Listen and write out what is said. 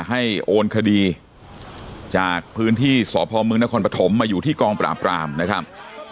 โอนคดีจากพื้นที่สพมนครปฐมมาอยู่ที่กองปราบรามนะครับ